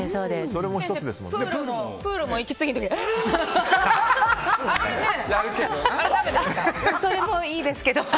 それもいいですけど。